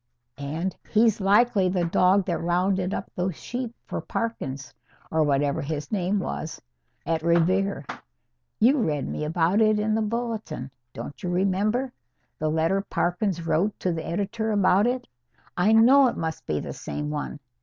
And he's likely the dog that rounded up those sheep for Parkins or whatever his name was at Revere. You read me about it in the Bulletin, don't you remember? The letter Parkins wrote to the editor about it? I know it must be the same one.